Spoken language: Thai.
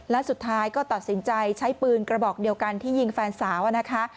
และสุดท้ายก็ตัดสินใจใช้ปืนกระบอกเดียวกันที่ยิงแฟนสาวนะคะ